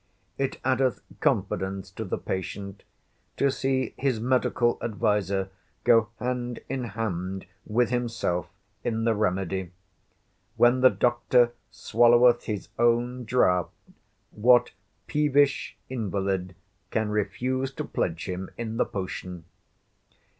It addeth confidence to the patient, to see his medical adviser go hand in hand with himself in the remedy. When the doctor swalloweth his own draught, what peevish invalid can refuse to pledge him in the potion?